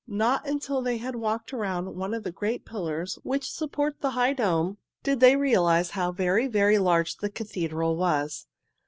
Not until they had walked around one of the great pillars which support the high dome did they realize how very, very large the cathedral was.